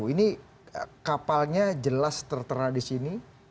ini kapalnya jelas tertera di sini